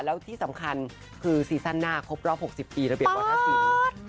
แล้วที่สำคัญคือซีซั่นหน้าครบรอบ๖๐ปีระเบียบวัฒนศิลป์